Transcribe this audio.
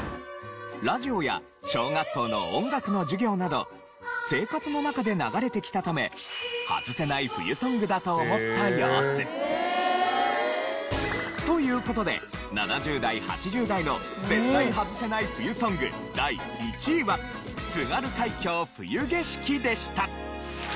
ラジオや小学校の音楽の授業など生活の中で流れてきたためハズせない冬ソングだと思った様子。という事で７０代８０代の絶対ハズせない冬ソング第１位は『津軽海峡・冬景色』でした。